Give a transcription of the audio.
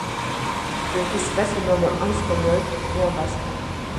Le festival se nomme en espagnol ' et en basque '.